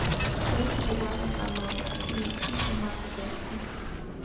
Fue inspirada en al novia de Iggy llamada Betsy.